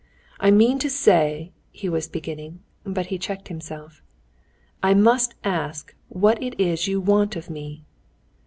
"I mean to say...." he was beginning, but he checked himself. "I must ask what it is you want of me?"